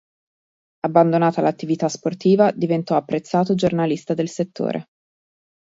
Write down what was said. Abbandonata l'attività sportiva diventò apprezzato giornalista del settore.